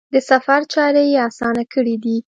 د سفر چارې یې اسانه کړي دي.